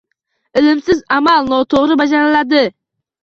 Ilmsiz amal noto‘g‘ri bajariladi.